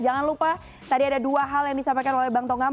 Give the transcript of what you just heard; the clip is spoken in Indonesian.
jangan lupa tadi ada dua hal yang disampaikan oleh bang tongam